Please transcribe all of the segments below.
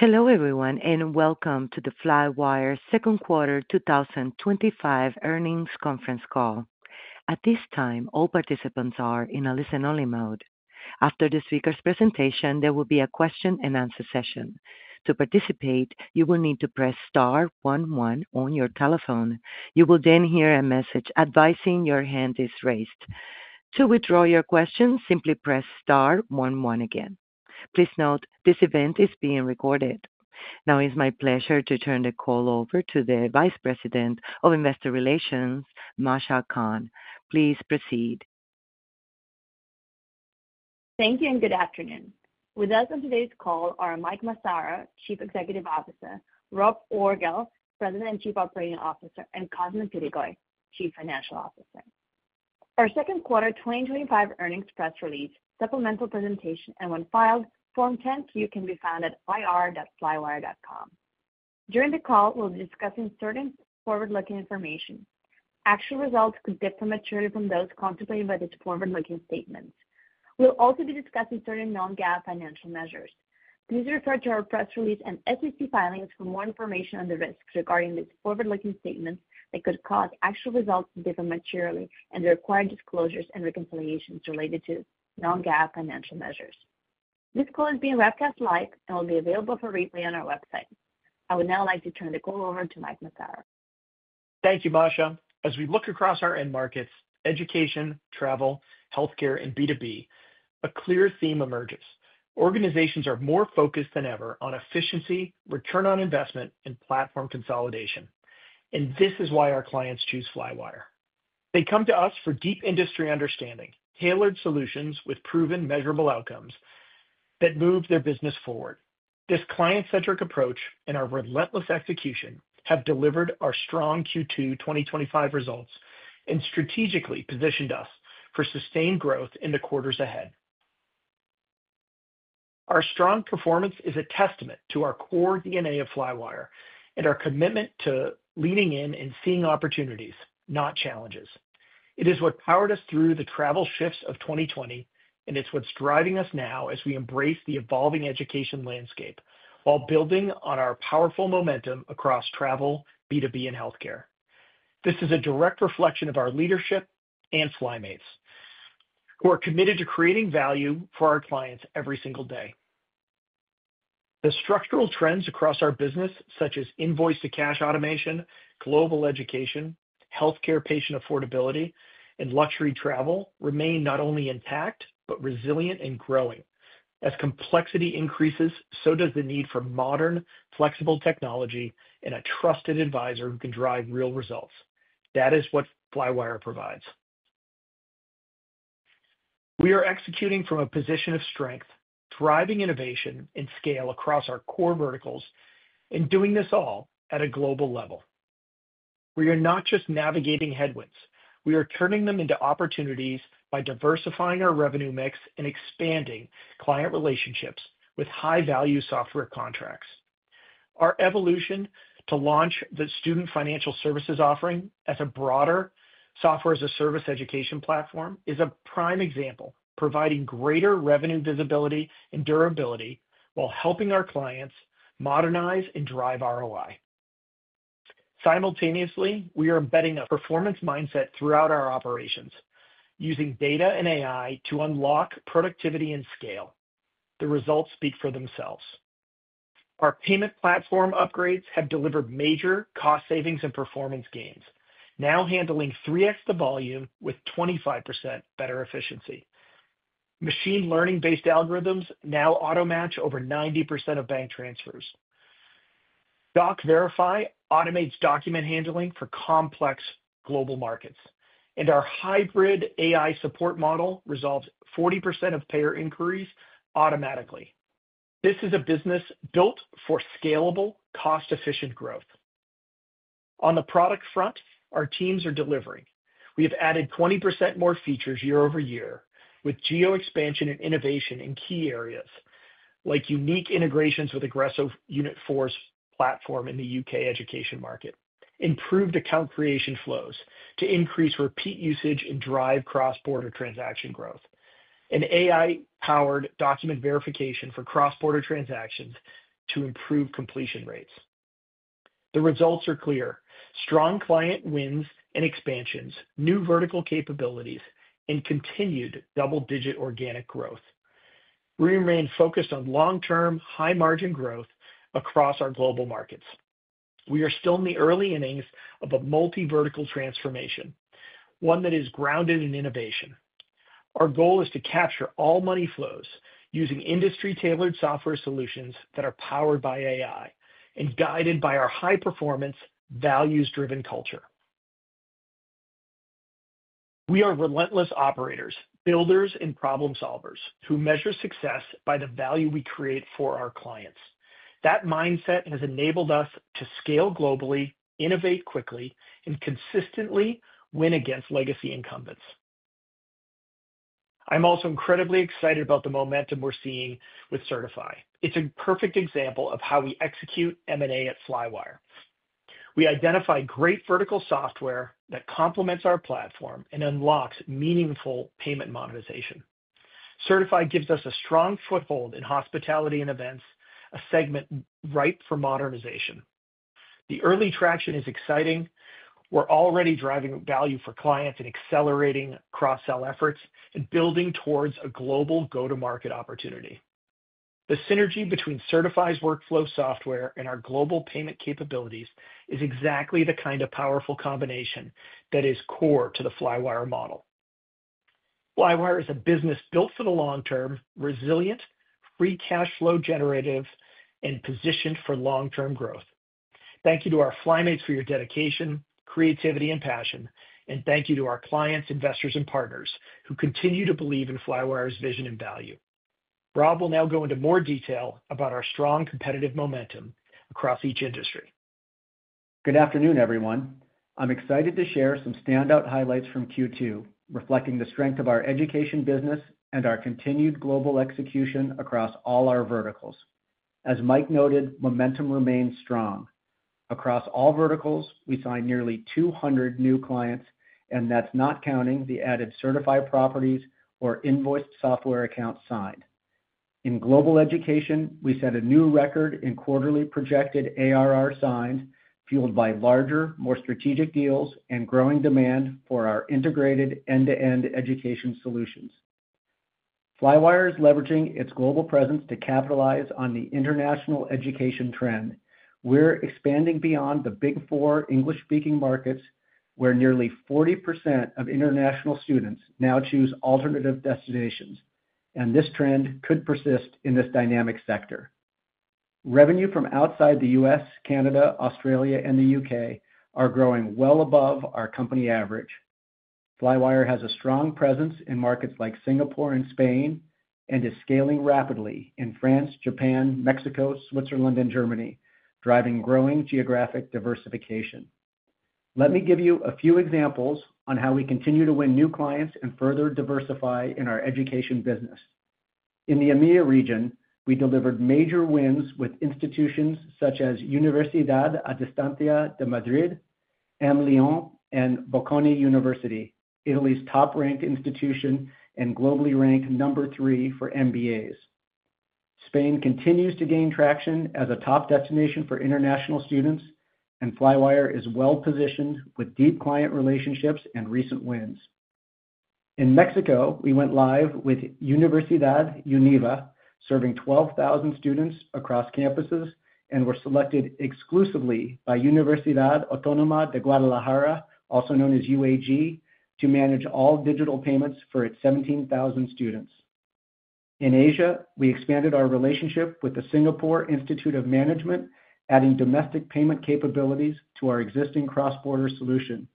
Hello everyone, and welcome to the Flywire Second Quarter 2025 Earnings Conference Call. At this time, all participants are in a listen-only mode. After the speaker's presentation, there will be a question and answer session. To participate, you will need to press *11 on your telephone. You will then hear a message advising your hand is raised. To withdraw your question, simply press *11 again. Please note, this event is being recorded. Now, it is my pleasure to turn the call over to the Vice President of Investor Relations, Masha Kahn. Please proceed. Thank you, and good afternoon. With us on today's call are Mike Massaro, Chief Executive Officer, Rob Orgel, President and Chief Operating Officer, and Cosmin Pitigoi, Chief Financial Officer. Our second quarter 2025 earnings press release, supplemental presentation, and, when filed, Form 10-Q can be found at ir.flywire.com. During the call, we'll be discussing certain forward-looking information. Actual results could differ materially from those contemplated by this forward-looking statement. We'll also be discussing certain non-GAAP financial measures. Please refer to our press release and SEC filings for more information on the risks regarding this forward-looking statement that could cause actual results to differ materially and require disclosures and reconciliations related to non-GAAP financial measures. This call is being webcast live and will be available for replay on our website. I would now like to turn the call over to Mike Massaro. Thank you, Masha. As we look across our end markets, education, travel, healthcare, and B2B, a clear theme emerges. Organizations are more focused than ever on efficiency, return on investment, and platform consolidation. This is why our clients choose Flywire. They come to us for deep industry understanding, tailored solutions with proven measurable outcomes that move their business forward. This client-centric approach and our relentless execution have delivered our strong Q2 2025 results and strategically positioned us for sustained growth in the quarters ahead. Our strong performance is a testament to our core DNA of Flywire and our commitment to leaning in and seeing opportunities, not challenges. It is what powered us through the travel shifts of 2020, and it's what's driving us now as we embrace the evolving education landscape while building on our powerful momentum across travel, B2B, and healthcare. This is a direct reflection of our leadership and Flymates, who are committed to creating value for our clients every single day. The structural trends across our business, such as invoice-to-cash automation, global education, healthcare patient affordability, and luxury travel, remain not only intact but resilient and growing. As complexity increases, so does the need for modern, flexible technology and a trusted advisor who can drive real results. That is what Flywire provides. We are executing from a position of strength, driving innovation and scale across our core verticals, and doing this all at a global level. We are not just navigating headwinds. We are turning them into opportunities by diversifying our revenue mix and expanding client relationships with high-value software contracts. Our evolution to launch the student financial services offering as a broader software-as-a-service education platform is a prime example, providing greater revenue visibility and durability while helping our clients modernize and drive ROI. Simultaneously, we are embedding a performance mindset throughout our operations, using data and AI to unlock productivity and scale. The results speak for themselves. Our payment platform upgrades have delivered major cost savings and performance gains, now handling 3x the volume with 25% better efficiency. Machine learning-based algorithms now automatch over 90% of bank transfers. DocVerify automates document handling for complex global markets, and our hybrid AI support model resolves 40% of payer inquiries automatically. This is a business built for scalable, cost-efficient growth. On the product front, our teams are delivering. We have added 20% more features year-over-year with geo-expansion and innovation in key areas, like unique integrations with aggressive unit force platform in the U.K. education market, improved account creation flows to increase repeat usage and drive cross-border transaction growth, and AI-powered document verification for cross-border transactions to improve completion rates. The results are clear: strong client wins and expansions, new vertical capabilities, and continued double-digit organic growth. We remain focused on long-term, high-margin growth across our global markets. We are still in the early innings of a multi-vertical transformation, one that is grounded in innovation. Our goal is to capture all money flows using industry-tailored software solutions that are powered by AI and guided by our high-performance, values-driven culture. We are relentless operators, builders, and problem solvers who measure success by the value we create for our clients. That mindset has enabled us to scale globally, innovate quickly, and consistently win against legacy incumbents. I'm also incredibly excited about the momentum we're seeing with Certify. It's a perfect example of how we execute M&A at Flywire. We identify great vertical software that complements our platform and unlocks meaningful payment monetization. Certify gives us a strong foothold in hospitality and events, a segment ripe for modernization. The early traction is exciting. We're already driving value for clients and accelerating cross-sell efforts and building towards a global go-to-market opportunity. The synergy between Certify's workflow software and our global payment capabilities is exactly the kind of powerful combination that is core to the Flywire model. Flywire is a business built for the long term, resilient, free cash flow generative, and positioned for long-term growth. Thank you to our Flymates for your dedication, creativity, and passion, and thank you to our clients, investors, and partners who continue to believe in Flywire's vision and value. Rob will now go into more detail about our strong competitive momentum across each industry. Good afternoon, everyone. I'm excited to share some standout highlights from Q2, reflecting the strength of our education business and our continued global execution across all our verticals. As Mike noted, momentum remains strong. Across all verticals, we signed nearly 200 new clients, and that's not counting the added Certify properties or Invoiced software accounts signed. In global education, we set a new record in quarterly projected ARR signs, fueled by larger, more strategic deals and growing demand for our integrated end-to-end education solutions. Flywire is leveraging its global presence to capitalize on the international education trend. We're expanding beyond the Big Four English-speaking markets, where nearly 40% of international students now choose alternative destinations, and this trend could persist in this dynamic sector. Revenue from outside the U.S., Canada, Australia, and the U.K. are growing well above our company average. Flywire has a strong presence in markets like Singapore and Spain and is scaling rapidly in France, Japan, Mexico, Switzerland, and Germany, driving growing geographic diversification. Let me give you a few examples on how we continue to win new clients and further diversify in our education business. In the EMEA region, we delivered major wins with institutions such as Universidad a Distancia de Madrid, [MLION], and Bocconi University, Italy's top-ranked institution and globally ranked number three for MBAs. Spain continues to gain traction as a top destination for international students, and Flywire is well positioned with deep client relationships and recent wins. In Mexico, we went live with Universidad UNIVA, serving 12,000 students across campuses, and were selected exclusively by Universidad Autónoma de Guadalajara, also known as UAG, to manage all digital payments for its 17,000 students. In Asia, we expanded our relationship with the Singapore Institute of Management, adding domestic payment capabilities to our existing cross-border solution.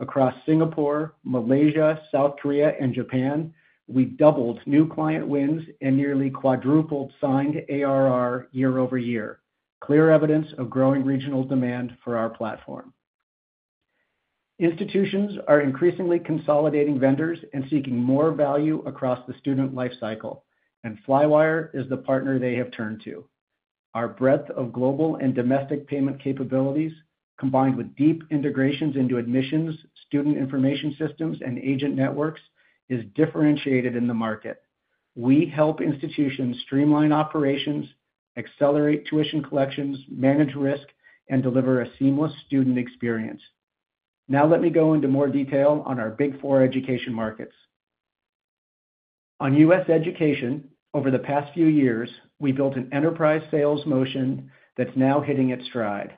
Across Singapore, Malaysia, South Korea, and Japan, we doubled new client wins and nearly quadrupled signed ARR year-over-year, clear evidence of growing regional demand for our platform. Institutions are increasingly consolidating vendors and seeking more value across the student lifecycle, and Flywire is the partner they have turned to. Our breadth of global and domestic payment capabilities, combined with deep integrations into admissions, student information systems, and agent networks, is differentiated in the market. We help institutions streamline operations, accelerate tuition collections, manage risk, and deliver a seamless student experience. Now, let me go into more detail on our Big Four education markets. On U.S. education, over the past few years, we built an enterprise sales motion that's now hitting its stride.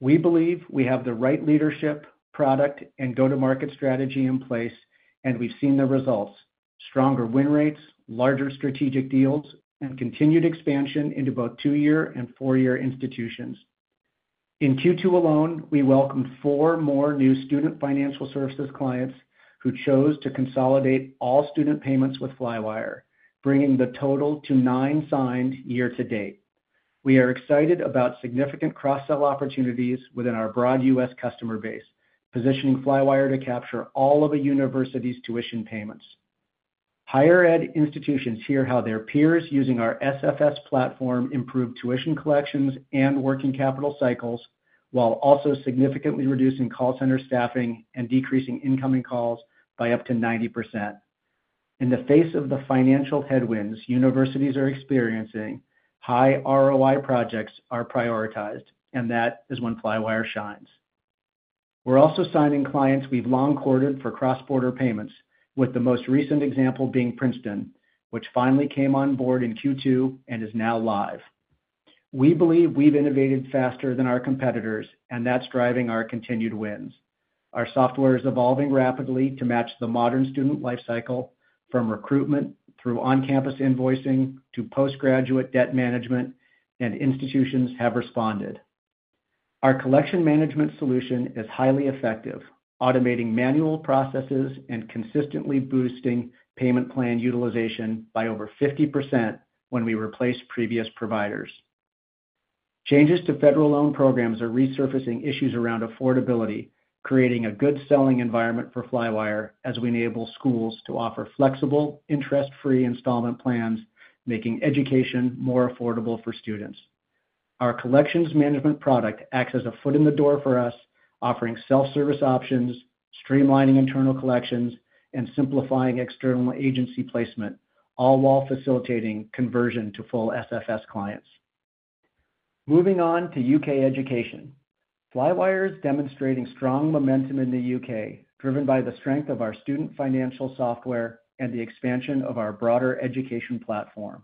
We believe we have the right leadership, product, and go-to-market strategy in place, and we've seen the results: stronger win rates, larger strategic deals, and continued expansion into both two-year and four-year institutions. In Q2 alone, we welcomed four more new student financial services clients who chose to consolidate all student payments with Flywire, bringing the total to nine signed year to date. We are excited about significant cross-sell opportunities within our broad U.S. customer base, positioning Flywire to capture all of a university's tuition payments. Higher Ed institutions hear how their peers using our SFS platform improved tuition collections and working capital cycles, while also significantly reducing call center staffing and decreasing incoming calls by up to 90%. In the face of the financial headwinds universities are experiencing, high ROI projects are prioritized, and that is when Flywire shines. We're also signing clients we've long courted for cross-border payments, with the most recent example being Princeton, which finally came on board in Q2 and is now live. We believe we've innovated faster than our competitors, and that's driving our continued wins. Our software is evolving rapidly to match the modern student lifecycle, from recruitment through on-campus invoicing to postgraduate debt management, and institutions have responded. Our collection management solution is highly effective, automating manual processes and consistently boosting payment plan utilization by over 50% when we replace previous providers. Changes to federal loan programs are resurfacing issues around affordability, creating a good selling environment for Flywire as we enable schools to offer flexible, interest-free installment plans, making education more affordable for students. Our collections management product acts as a foot in the door for us, offering self-service options, streamlining internal collections, and simplifying external agency placement, all while facilitating conversion to full SFS clients. Moving on to U.K. education, Flywire is demonstrating strong momentum in the U.K., driven by the strength of our student financial services software and the expansion of our broader education platform.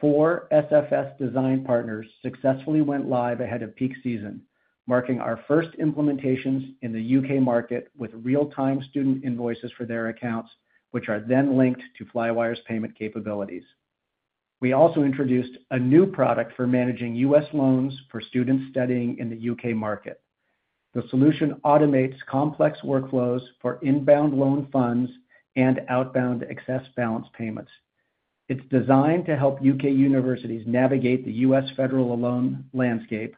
Four SFS design partners successfully went live ahead of peak season, marking our first implementations in the U.K. market with real-time student invoices for their accounts, which are then linked to Flywire's payment capabilities. We also introduced a new product for managing U.S. loans for students studying in the U.K. market. The solution automates complex workflows for inbound loan funds and outbound excess balance payments. It's designed to help U.K. universities navigate the U.S. federal loan landscape,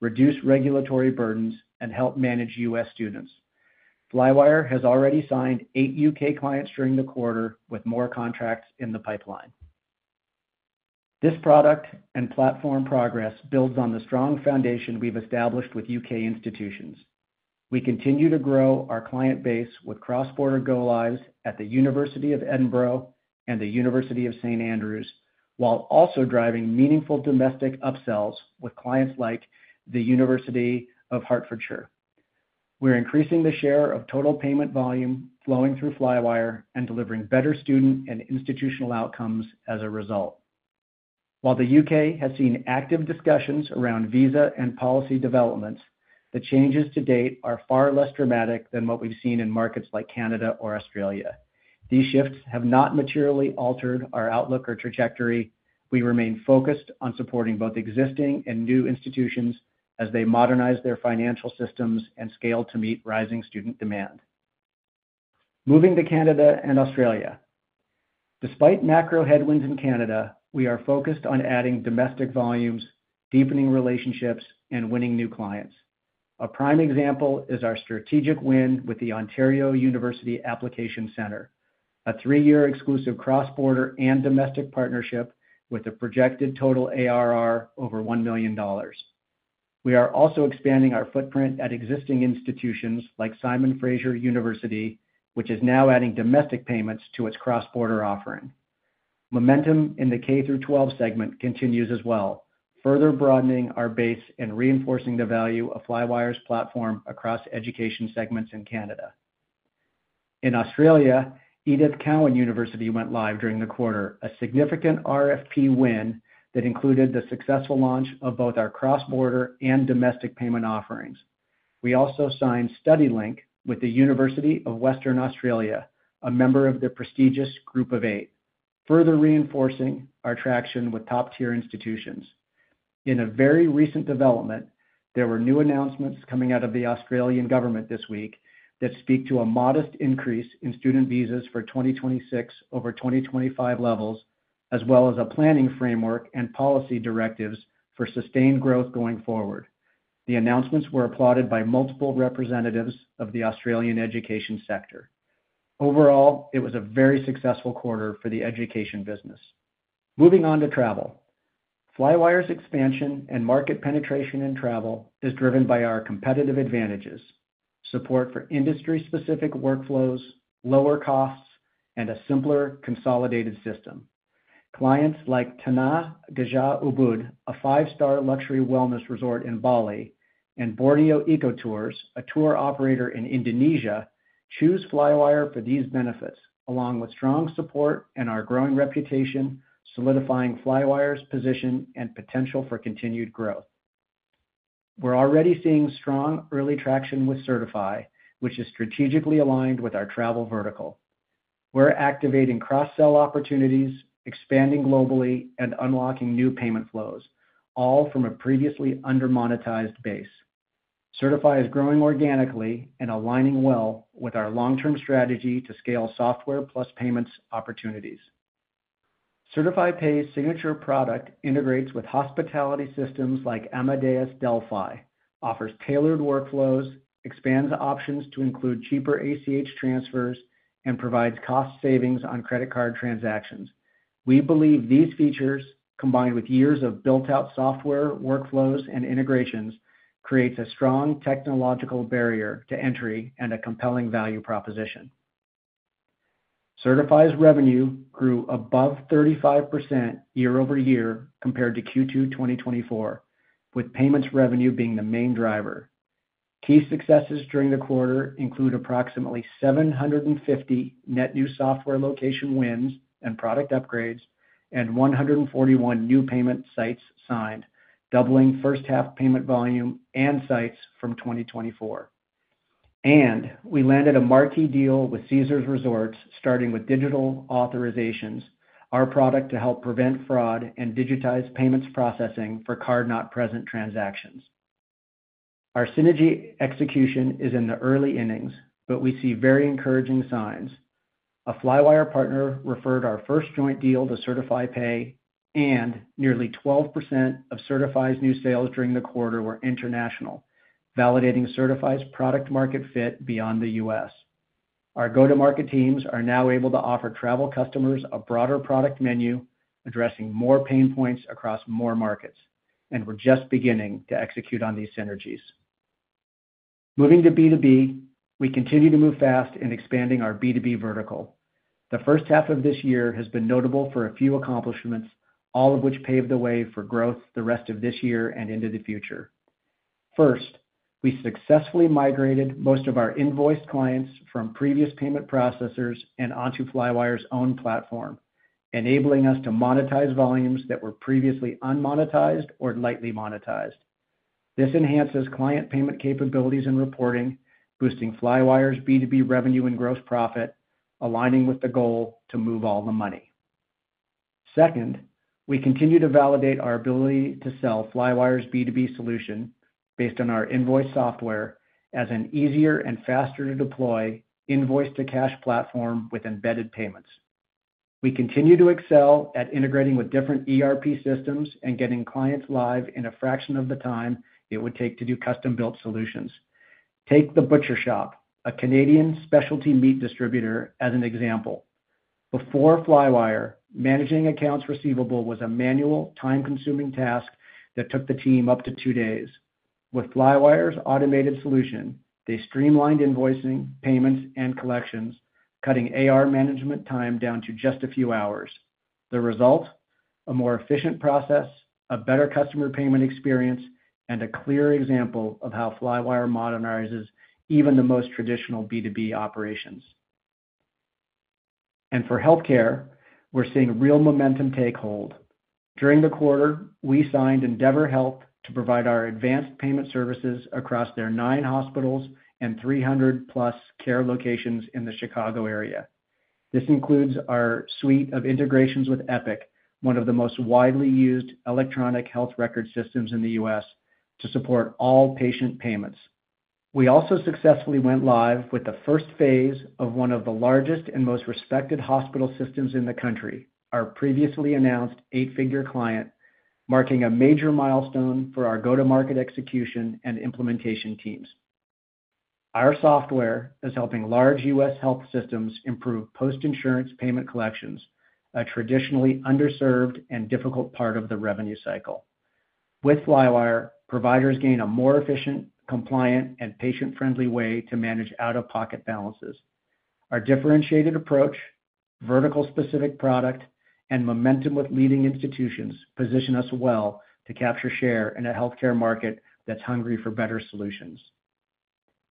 reduce regulatory burdens, and help manage U.S. students. Flywire has already signed eight U.K. clients during the quarter, with more contracts in the pipeline. This product and platform progress builds on the strong foundation we've established with U.K. institutions. We continue to grow our client base with cross-border go-lives at the University of Edinburgh and the University of St. Andrews, while also driving meaningful domestic upsells with clients like the University of Hertfordshire. We're increasing the share of total payment volume flowing through Flywire and delivering better student and institutional outcomes as a result. While the U.K. has seen active discussions around visa and policy developments, the changes to date are far less dramatic than what we've seen in markets like Canada or Australia. These shifts have not materially altered our outlook or trajectory. We remain focused on supporting both existing and new institutions as they modernize their financial systems and scale to meet rising student demand. Moving to Canada and Australia, despite macro headwinds in Canada, we are focused on adding domestic volumes, deepening relationships, and winning new clients. A prime example is our strategic win with the Ontario University Application Center, a three-year exclusive cross-border and domestic partnership with a projected total ARR over $1 million. We are also expanding our footprint at existing institutions like Simon Fraser University, which is now adding domestic payments to its cross-border offering. Momentum in the K through 12 segment continues as well, further broadening our base and reinforcing the value of Flywire's platform across education segments in Canada. In Australia, Edith Cowan University went live during the quarter, a significant RFP win that included the successful launch of both our cross-border and domestic payment offerings. We also signed StudyLink with the University of Western Australia, a member of the prestigious Group of Eight, further reinforcing our traction with top-tier institutions. In a very recent development, there were new announcements coming out of the Australian government this week that speak to a modest increase in student visas for 2026 over 2025 levels, as well as a planning framework and policy directives for sustained growth going forward. The announcements were applauded by multiple representatives of the Australian education sector. Overall, it was a very successful quarter for the education business. Moving on to travel, Flywire's expansion and market penetration in travel are driven by our competitive advantages, support for industry-specific workflows, lower costs, and a simpler consolidated system. Clients like Tanah Gajah Ubud, a five-star luxury wellness resort in Bali, and Borneo Eco Tours, a tour operator in Indonesia, choose Flywire for these benefits, along with strong support and our growing reputation, solidifying Flywire's position and potential for continued growth. We're already seeing strong early traction with Certify, which is strategically aligned with our travel vertical. We're activating cross-sell opportunities, expanding globally, and unlocking new payment flows, all from a previously under-monetized base. Certify is growing organically and aligning well with our long-term strategy to scale software plus payments opportunities. Certify Pay's signature product integrates with hospitality systems like Amadeus Delphi, offers tailored workflows, expands options to include cheaper ACH transfers, and provides cost savings on credit card transactions. We believe these features, combined with years of built-out software, workflows, and integrations, create a strong technological barrier to entry and a compelling value proposition. Certify's revenue grew above 35% year-over-year compared to Q2 2024, with payments revenue being the main driver. Key successes during the quarter include approximately 750 net new software location wins and product upgrades, and 141 new payment sites signed, doubling first-half payment volume and sites from 2024. We landed a marquee deal with Caesars Resorts, starting with digital authorizations, our product to help prevent fraud and digitize payments processing for card-not-present transactions. Our synergy execution is in the early innings, but we see very encouraging signs. A Flywire partner referred our first joint deal to Certify Pay, and nearly 12% of Certify's new sales during the quarter were international, validating Certify's product market fit beyond the U.S. Our go-to-market teams are now able to offer travel customers a broader product menu, addressing more pain points across more markets, and we're just beginning to execute on these synergies. Moving to B2B, we continue to move fast in expanding our B2B vertical. The first half of this year has been notable for a few accomplishments, all of which paved the way for growth the rest of this year and into the future. First, we successfully migrated most of our Invoiced clients from previous payment processors and onto Flywire's own platform, enabling us to monetize volumes that were previously unmonetized or lightly monetized. This enhances client payment capabilities and reporting, boosting Flywire's B2B revenue and gross profit, aligning with the goal to move all the money. Second, we continue to validate our ability to sell Flywire's B2B solution based on our invoice software as an easier and faster-to-deploy invoice-to-cash platform with embedded payments. We continue to excel at integrating with different ERP systems and getting clients live in a fraction of the time it would take to do custom-built solutions. Take the Butcher Shoppe, a Canadian specialty meat distributor, as an example. Before Flywire, managing accounts receivable was a manual, time-consuming task that took the team up to two days. With Flywire's automated solution, they streamlined invoicing, payments, and collections, cutting AR management time down to just a few hours. The result is a more efficient process, a better customer payment experience, and a clear example of how Flywire modernizes even the most traditional B2B operations. For healthcare, we're seeing real momentum take hold. During the quarter, we signed Endeavor Health to provide our advanced payment services across their nine hospitals and 300+ care locations in the Chicago area. This includes our suite of integrations with Epic, one of the most widely used electronic health record systems in the U.S., to support all patient payments. We also successfully went live with the first phase of one of the largest and most respected hospital systems in the country, our previously announced eight-figure client, marking a major milestone for our go-to-market execution and implementation teams. Our software is helping large U.S. health systems improve post-insurance payment collections, a traditionally underserved and difficult part of the revenue cycle. With Flywire, providers gain a more efficient, compliant, and patient-friendly way to manage out-of-pocket balances. Our differentiated approach, vertical-specific product, and momentum with leading institutions position us well to capture share in a healthcare market that's hungry for better solutions.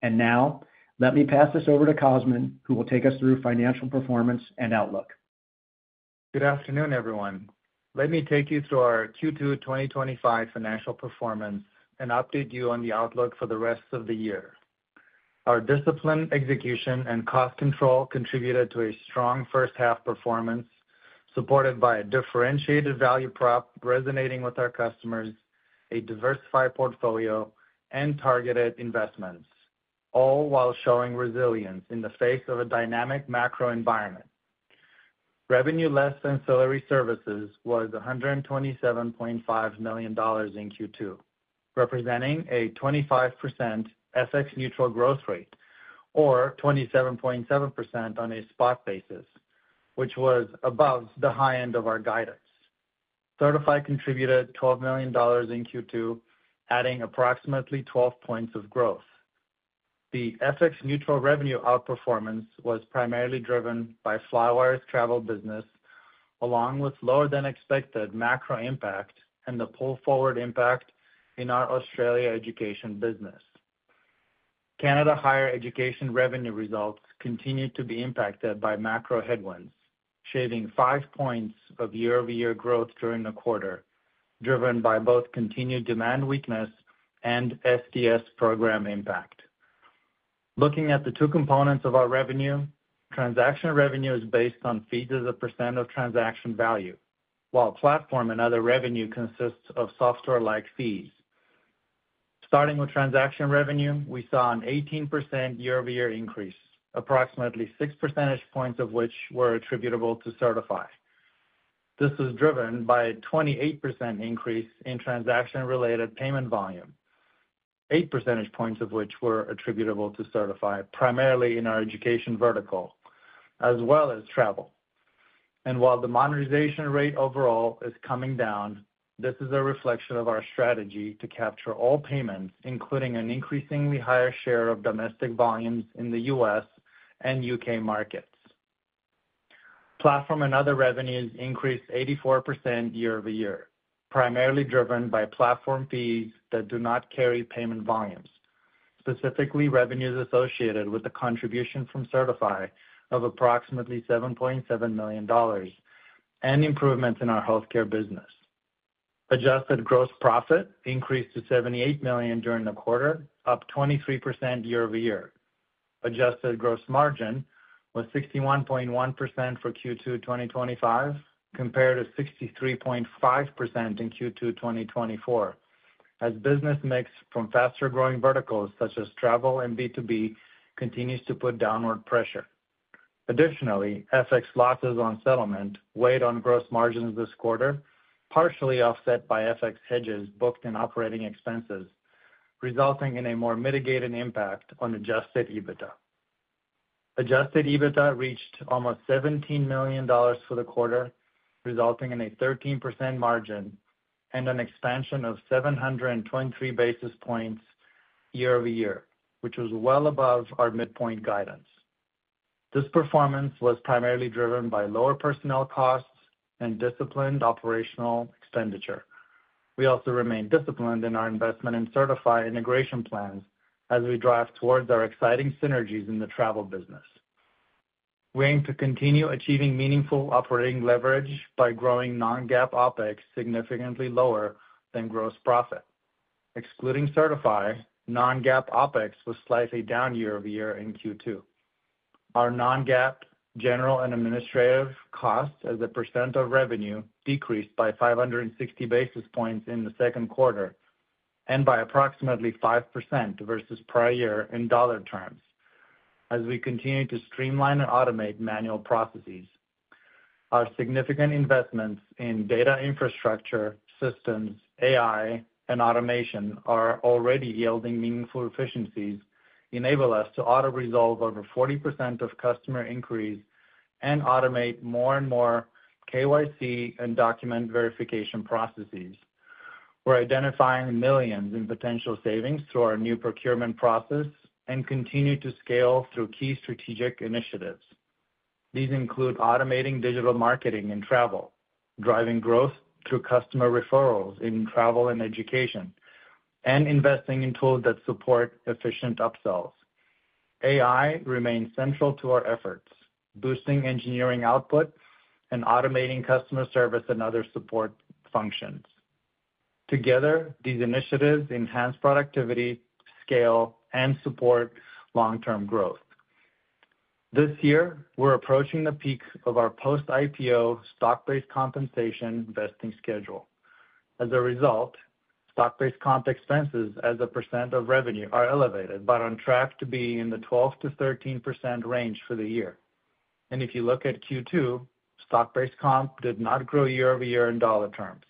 Now, let me pass this over to Cosmin, who will take us through financial performance and outlook. Good afternoon, everyone. Let me take you through our Q2 2025 financial performance and update you on the outlook for the rest of the year. Our discipline, execution, and cost control contributed to a strong first-half performance, supported by a differentiated value prop resonating with our customers, a diversified portfolio, and targeted investments, all while showing resilience in the face of a dynamic macro environment. Revenue less than salary services was $127.5 million in Q2, representing a 25% FX-neutral growth rate, or 27.7% on a spot basis, which was above the high end of our guidance. Certify contributed $12 million in Q2, adding approximately 12 points of growth. The FX-neutral revenue outperformance was primarily driven by Flywire's travel business, along with lower than expected macro impact and the pull forward impact in our Australia education business. Canada higher education revenue results continued to be impacted by macro headwinds, shaving 5 points of year-over-year growth during the quarter, driven by both continued demand weakness and SDS program impact. Looking at the two components of our revenue, transaction revenue is based on fees as a percentage of transaction value, while platform and other revenue consist of software-like fees. Starting with transaction revenue, we saw an 18% year-over-year increase, approximately 6 percentage points of which were attributable to Certify. This was driven by a 28% increase in transaction-related payment volume, 8 percentage points of which were attributable to Certify, primarily in our education vertical, as well as travel. While the monetization rate overall is coming down, this is a reflection of our strategy to capture all payments, including an increasingly higher share of domestic volumes in the U.S. and U.K. markets. Platform and other revenues increased 84% year-over-year, primarily driven by platform fees that do not carry payment volumes, specifically revenues associated with the contribution from Certify of approximately $7.7 million, and improvements in our healthcare business. Adjusted gross profit increased to $78 million during the quarter, up 23% year-over-year. Adjusted gross margin was 61.1% for Q2 2025, compared to 63.5% in Q2 2024, as business mix from faster-growing verticals such as travel and B2B continues to put downward pressure. Additionally, FX losses on settlement weighed on gross margins this quarter, partially offset by FX hedges booked in operating expenses, resulting in a more mitigated impact on adjusted EBITDA. Adjusted EBITDA reached almost $17 million for the quarter, resulting in a 13% margin and an expansion of 723 basis points year-over-year, which was well above our midpoint guidance. This performance was primarily driven by lower personnel costs and disciplined operational expenditure. We also remain disciplined in our investment in Certify integration plans as we drive towards our exciting synergies in the travel business. We aim to continue achieving meaningful operating leverage by growing non-GAAP OpEx significantly lower than gross profit. Excluding Certify, non-GAAP OpEx was slightly down year-over-year in Q2. Our non-GAAP general and administrative cost as a percent of revenue decreased by 560 basis points in the second quarter and by approximately 5% versus prior year in dollar terms, as we continue to streamline and automate manual processes. Our significant investments in data infrastructure, systems, AI, and automation are already yielding meaningful efficiencies, enabling us to auto-resolve over 40% of customer inquiries and automate more and more KYC and document verification processes. We're identifying millions in potential savings through our new procurement process and continue to scale through key strategic initiatives. These include automating digital marketing in travel, driving growth through customer referrals in travel and education, and investing in tools that support efficient upsells. AI remains central to our efforts, boosting engineering output and automating customer service and other support functions. Together, these initiatives enhance productivity, scale, and support long-term growth. This year, we're approaching the peak of our post-IPO stock-based compensation vesting schedule. As a result, stock-based comp expenses as a percent of revenue are elevated, but on track to be in the 12%-13% range for the year. If you look at Q2, stock-based comp did not grow year-over-year in dollar terms.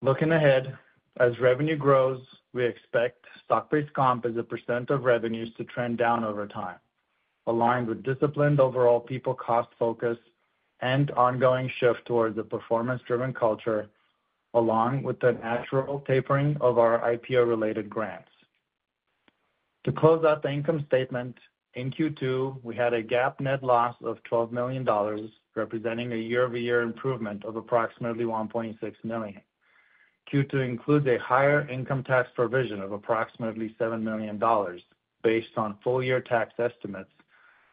Looking ahead, as revenue grows, we expect stock-based comp as a percent of revenues to trend down over time, aligned with disciplined overall people cost focus and ongoing shift towards a performance-driven culture, along with the natural tapering of our IPO-related grants. To close out the income statement, in Q2, we had a GAAP net loss of $12 million, representing a year-over-year improvement of approximately $1.6 million. Q2 includes a higher income tax provision of approximately $7 million, based on full-year tax estimates,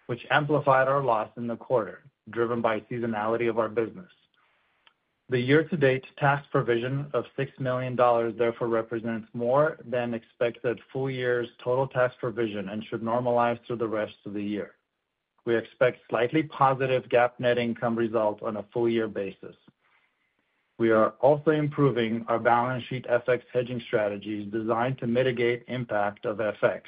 which amplified our loss in the quarter, driven by seasonality of our business. The year-to-date tax provision of $6 million therefore represents more than expected full year's total tax provision and should normalize through the rest of the year. We expect slightly positive GAAP net income result on a full-year basis. We are also improving our balance sheet FX hedging strategies designed to mitigate impact of FX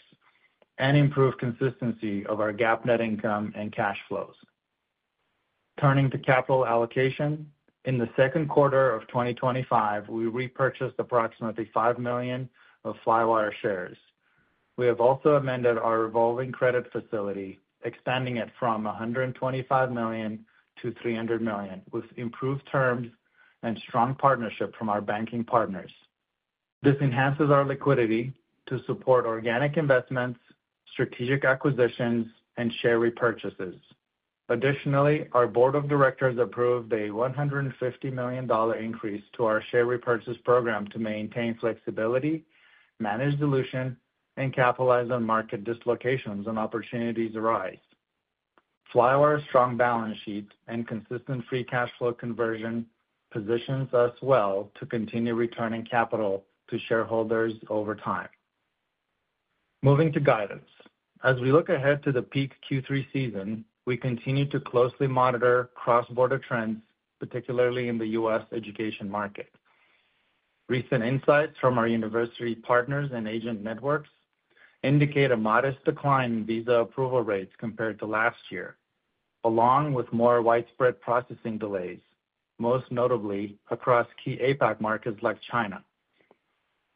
and improve consistency of our GAAP net income and cash flows. Turning to capital allocation, in the second quarter of 2025, we repurchased approximately $5 million of Flywire shares. We have also amended our revolving credit facility, expanding it from $125 million-$300 million, with improved terms and strong partnership from our banking partners. This enhances our liquidity to support organic investments, strategic acquisitions, and share repurchases. Additionally, our board of directors approved a $150 million increase to our share repurchase program to maintain flexibility, manage dilution, and capitalize on market dislocations when opportunities arise. Flywire's strong balance sheet and consistent free cash flow conversion position us well to continue returning capital to shareholders over time. Moving to guidance, as we look ahead to the peak Q3 season, we continue to closely monitor cross-border trends, particularly in the U.S. education market. Recent insights from our university partners and agent networks indicate a modest decline in visa approval rates compared to last year, along with more widespread processing delays, most notably across key APAC markets like China.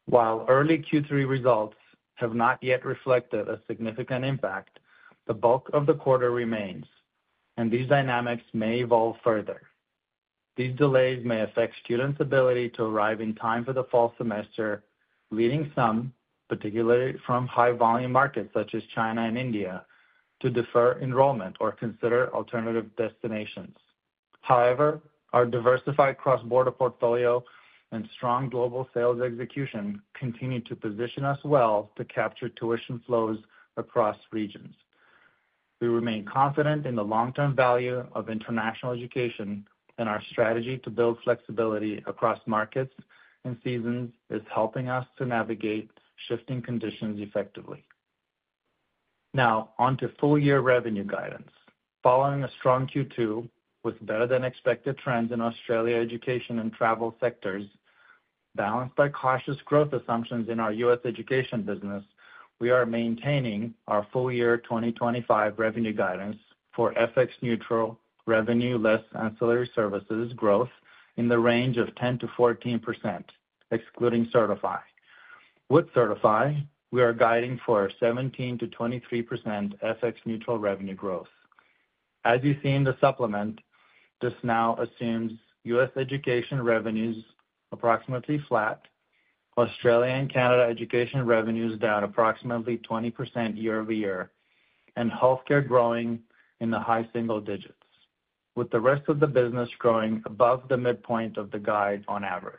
While early Q3 results have not yet reflected a significant impact, the bulk of the quarter remains, and these dynamics may evolve further. These delays may affect students' ability to arrive in time for the fall semester, leading some, particularly from high-volume markets such as China and India, to defer enrollment or consider alternative destinations. However, our diversified cross-border portfolio and strong global sales execution continue to position us well to capture tuition flows across regions. We remain confident in the long-term value of international education, and our strategy to build flexibility across markets and seasons is helping us to navigate shifting conditions effectively. Now, on to full-year revenue guidance. Following a strong Q2 with better-than-expected trends in Australia education and travel sectors, balanced by cautious growth assumptions in our U.S. education business, we are maintaining our full-year 2025 revenue guidance for FX-neutral revenue less than salary services growth in the range of 10%-14%, excluding Certify. With Certify, we are guiding for 17%-23% FX-neutral revenue growth. As you see in the supplement, this now assumes U.S. education revenues approximately flat, Australia and Canada education revenues down approximately 20% year-over-year, and healthcare growing in the high single digits, with the rest of the business growing above the midpoint of the guide on average.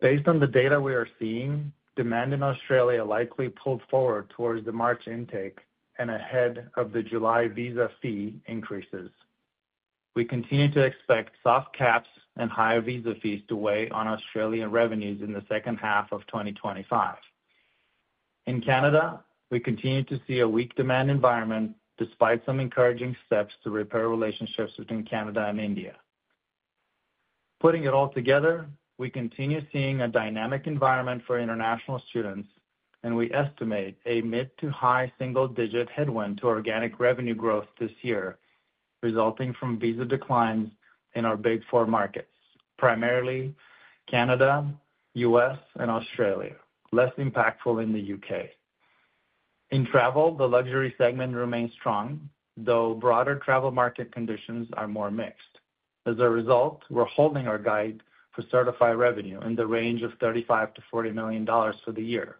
Based on the data we are seeing, demand in Australia likely pulled forward towards the March intake and ahead of the July visa fee increases. We continue to expect soft caps and higher visa fees to weigh on Australia revenues in the second half of 2025. In Canada, we continue to see a weak demand environment despite some encouraging steps to repair relationships between Canada and India. Putting it all together, we continue seeing a dynamic environment for international students, and we estimate a mid to high single-digit headwind to organic revenue growth this year, resulting from visa declines in our Big Four markets, primarily Canada, U.S., and Australia, less impactful in the U.K. In travel, the luxury segment remains strong, though broader travel market conditions are more mixed. As a result, we're holding our guide for Certify revenue in the range of $35 million-$40 million for the year.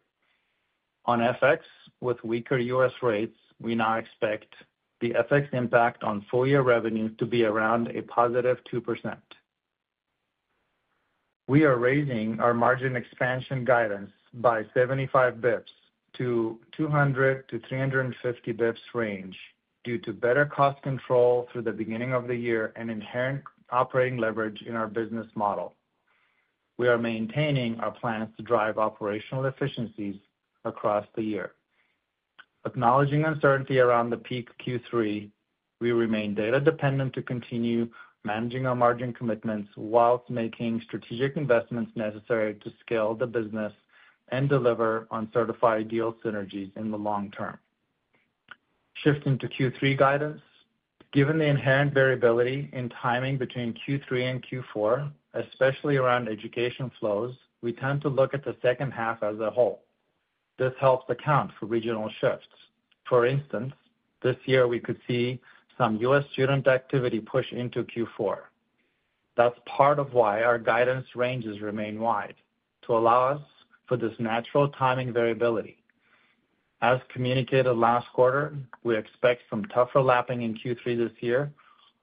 On FX, with weaker U.S. rates, we now expect the FX impact on full-year revenues to be around a positive 2%. We are raising our margin expansion guidance by 75 to 200-350 range due to better cost control through the beginning of the year and inherent operating leverage in our business model. We are maintaining our plans to drive operational efficiencies across the year. Acknowledging uncertainty around the peak Q3, we remain data-dependent to continue managing our margin commitments whilst making strategic investments necessary to scale the business and deliver on Certify deal synergies in the long term. Shifting to Q3 guidance, given the inherent variability in timing between Q3 and Q4, especially around education flows, we tend to look at the second half as a whole. This helps account for regional shifts. For instance, this year we could see some U.S. student activity push into Q4. That's part of why our guidance ranges remain wide, to allow us for this natural timing variability. As communicated last quarter, we expect some tougher lapping in Q3 this year,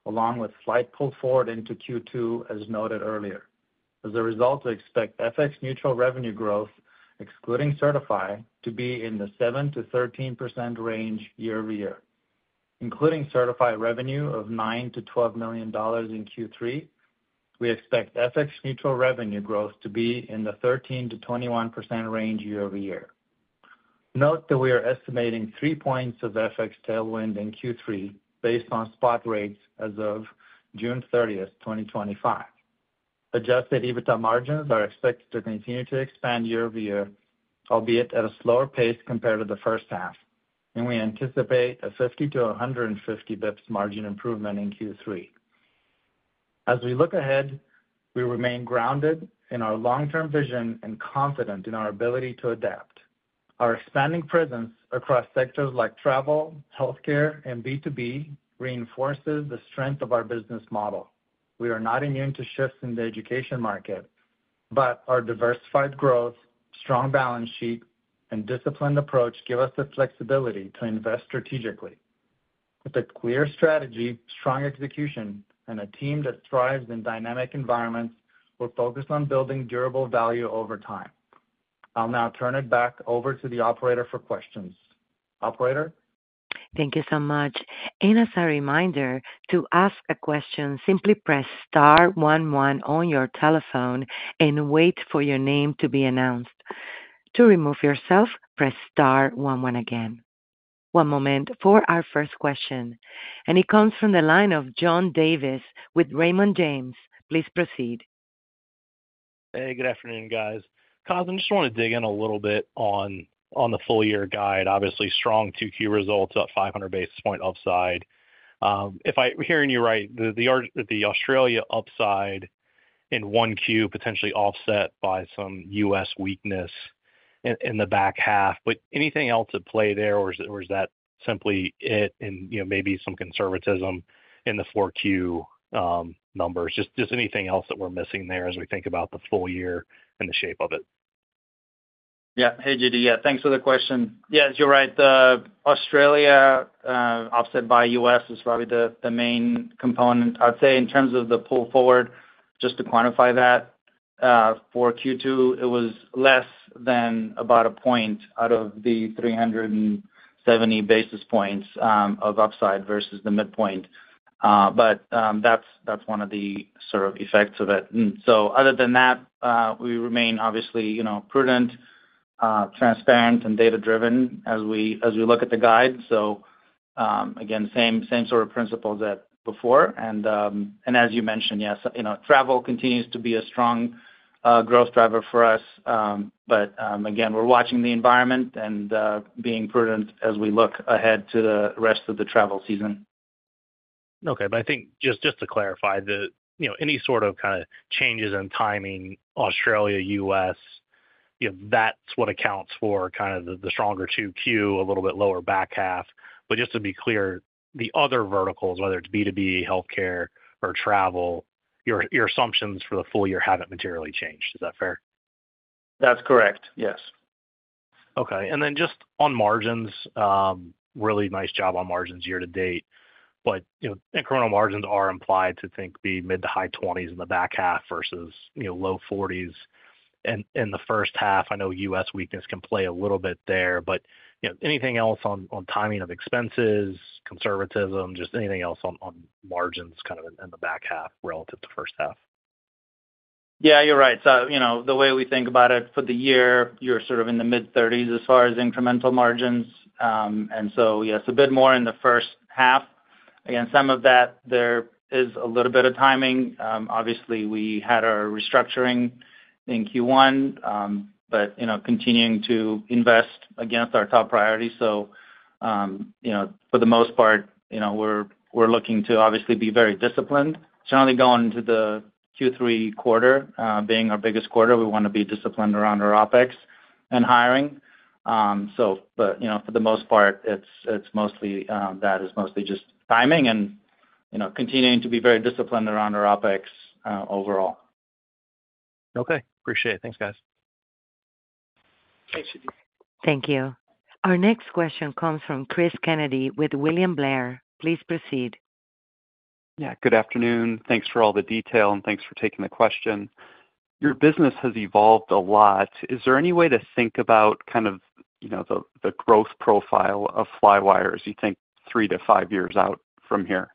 along with slight pull forward into Q2, as noted earlier. As a result, we expect FX-neutral revenue growth, excluding Certify, to be in the 7%-13% range year-over-year. Including Certify revenue of $9 million-$12 million in Q3, we expect FX-neutral revenue growth to be in the 13%-21% range year-over-year. Note that we are estimating three points of FX tailwind in Q3 based on spot rates as of June 30, 2025. Adjusted EBITDA margins are expected to continue to expand year-over-year, albeit at a slower pace compared to the first half, and we anticipate a 50-150 bps margin improvement in Q3. As we look ahead, we remain grounded in our long-term vision and confident in our ability to adapt. Our expanding presence across sectors like travel, healthcare, and B2B reinforces the strength of our business model. We are not immune to shifts in the education market, but our diversified growth, strong balance sheet, and disciplined approach give us the flexibility to invest strategically. With a clear strategy, strong execution, and a team that thrives in dynamic environments, we're focused on building durable value over time. I'll now turn it back over to the operator for questions. Operator? Thank you so much. As a reminder, to ask a question, simply press *11 on your telephone and wait for your name to be announced. To remove yourself, press *11 again. One moment for our first question, it comes from the line of John Davis with Raymond James. Please proceed. Hey, good afternoon, guys. Cosmin, just want to dig in a little bit on the full-year guide. Obviously, strong Q2 results at 500 basis points upside. If I'm hearing you right, the Australia upside in 1Q potentially offset by some U.S. weakness in the back half, but anything else at play there, or is that simply it, and maybe some conservatism in the 4Q numbers? Just anything else that we're missing there as we think about the full year and the shape of it? Yeah, hey, JD. Yeah, thanks for the question. As you're right, the Australia offset by U.S. is probably the main component. I'd say in terms of the pull forward, just to quantify that, for Q2, it was less than about a point out of the 370 basis points of upside versus the midpoint, but that's one of the sort of effects of it. Other than that, we remain obviously prudent, transparent, and data-driven as we look at the guide. Again, same sort of principles as before. As you mentioned, yes, travel continues to be a strong growth driver for us, but again, we're watching the environment and being prudent as we look ahead to the rest of the travel season. Okay, I think just to clarify, any sort of kind of changes in timing Australia-U.S., that's what accounts for kind of the stronger Q2, a little bit lower back half. Just to be clear, the other verticals, whether it's B2B, healthcare, or travel, your assumptions for the full year haven't materially changed. Is that fair? That's correct, yes. Okay, and then just on margins, really nice job on margins year to date, but incremental margins are implied to think the mid to high 20% in the back half versus low 40% in the first half. I know U.S. weakness can play a little bit there, but anything else on timing of expenses, conservatism, just anything else on margins kind of in the back half relative to the first half? Yeah, you're right. The way we think about it for the year, you're sort of in the mid-30% as far as incremental margins, and yes, a bit more in the first half. Some of that is a little bit of timing. Obviously, we had our restructuring in Q1, but continuing to invest against our top priorities. For the most part, we're looking to obviously be very disciplined. Generally, going into the Q3 quarter, being our biggest quarter, we want to be disciplined around our OpEx and hiring. For the most part, that is mostly just timing and continuing to be very disciplined around our OpEx overall. Okay, appreciate it. Thanks, guys. Thanks. Thank you. Our next question comes from Cris Kennedy with William Blair. Please proceed. Good afternoon. Thanks for all the detail and thanks for taking the question. Your business has evolved a lot. Is there any way to think about kind of the growth profile of Flywire as you think three to five years out from here?